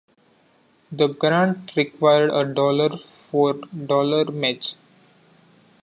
The grant required a dollar-for-dollar match.